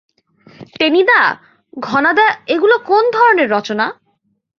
টেনিদা, ঘনাদা - এগুলো কোন ধরণের রচনা?